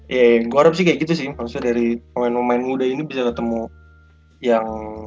iya gue harap sih kayak gitu sih maksudnya dari pemain pemain muda ini bisa ketemu yang levelnya yang bagus